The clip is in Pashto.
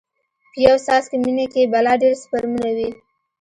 په يو څاڅکي مني کښې بلا ډېر سپرمونه وي.